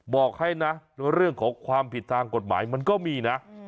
บอกให้นะเรื่องของความผิดทางกฎหมายมันก็มีนะ